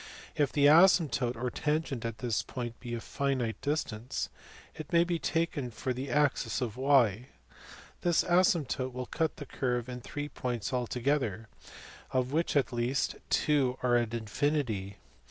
If the asymptote or tangent at this point be at a finite distance, it may be taken for the axis of y. This asymptote will cut the curve in three points alto gether, of which at least two are at infinity.